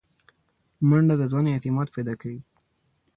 منډه د ځان اعتماد پیدا کوي